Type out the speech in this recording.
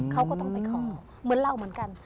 เขาก็ต้องไปขอเหมือนเราเหมือนกัน